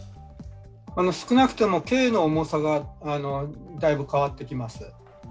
少なくとも刑の重さがだいぶ変わってきます。